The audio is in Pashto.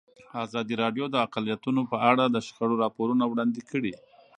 ازادي راډیو د اقلیتونه په اړه د شخړو راپورونه وړاندې کړي.